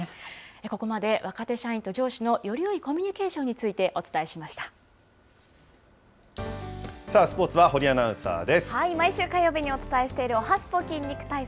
ここまで、若手社員と上司のよりよいコミュニケーションにつさあ、スポーツは堀アナウン毎週火曜日にお伝えしているおはＳＰＯ筋肉体操。